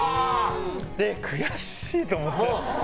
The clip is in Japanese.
で、悔しいと思って。